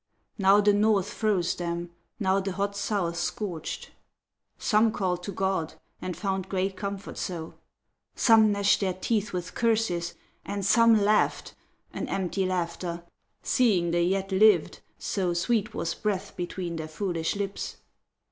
Now the North froze them, now the hot South scorched. Some called to God, and found great comfort so; Some gnashed their teeth with curses, and some laughed An empty laughter, seeing they yet lived, So sweet was breath between their foolish lips.